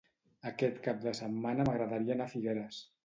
Aquest cap de setmana m'agradaria anar a Figueres.